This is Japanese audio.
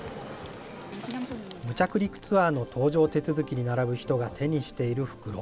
無着陸ツアーの搭乗手続きに並ぶ人が手にしている袋。